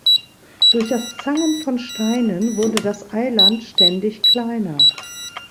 Durch das Zangen von Steinen wurde das Eiland ständig kleiner.